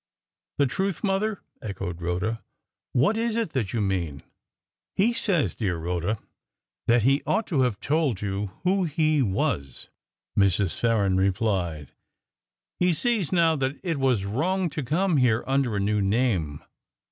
"The truth, mother?" echoed Rhoda. "What is it that you mean?" "He says, dear Rhoda, that he ought to have told you who he was," Mrs. Farren replied. "He sees now that it was wrong to come here under a new name."